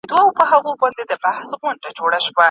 اره اره سي نجارانو ته ځي